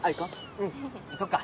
うん行こうか。